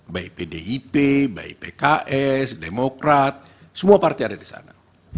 baik pdip baik pks demokrat semua partai ada di sana